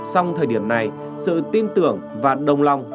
song thời điểm này sự tin tưởng và đồng lòng